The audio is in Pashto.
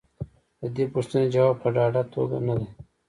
د دې پوښتنې ځواب په ډاډه توګه نه دی.